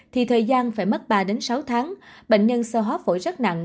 thì thời gian phải mất ba sáu tháng bệnh nhân sơ hóa phổi rất nặng